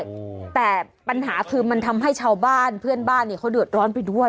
อืมแต่ปัญหาคือมันทำให้ชาวบ้านเพื่อนบ้านเนี้ยเขาเดือดร้อนไปด้วย